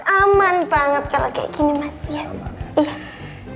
aman banget kalau kayak gini mas ya